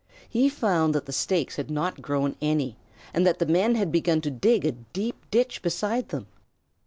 He found that the stakes had not grown any, and that the men had begun to dig a deep ditch beside them.